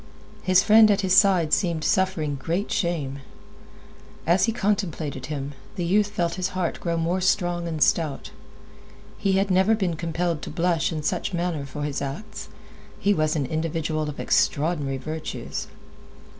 His friend at his side seemed suffering great shame. As he contemplated him, the youth felt his heart grow more strong and stout. He had never been compelled to blush in such manner for his acts; he was an individual of extraordinary virtues.